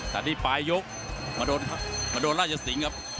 แต่ที่ปลายยกมาโดนราชสิงห์ครับ